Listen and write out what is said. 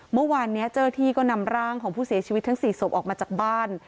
เมื่อวานนี้เจ้าที่ก็นำร่างของผู้เสียชีวิตทั้ง๔ศพออกมาจากบ้าน